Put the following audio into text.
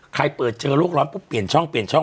เปิดเจอโรคร้อนปุ๊บเปลี่ยนช่องเปลี่ยนช่อง